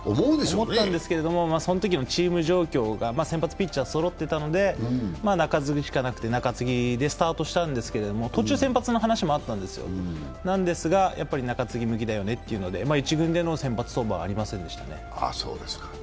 思ったんですけれどもそのときのチーム状況が、先発ピッチャーがそろってたんで中継ぎしかなくて、中継ぎでスタートしたんですけれども、途中、先発の話もあったんですけどやはり中継ぎ向きだよねということで１軍での先発登板はありませんでしたね。